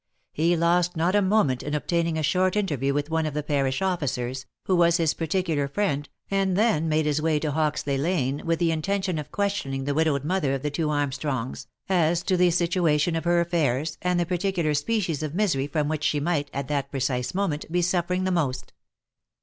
He lost not a moment in ob taining a short interview with one of the parish officers, who was his particular friend, and then made his way to Hoxley lane, with the intention of questioning the widowed mother of the two Arm strongs, as to the situation of her affairs, and the particular species of misery from which she might, at that precise moment, be suffer ing the most.